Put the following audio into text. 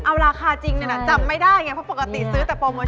เอาราคาจริงเนี่ยนะจำไม่ได้ไงเพราะปกติซื้อแต่โปรโมท